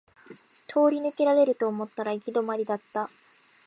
通り抜けられると思ったら行き止まりだった